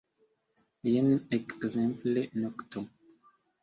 Jen, ekzemple, nokto.